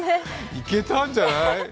行けたんじゃない。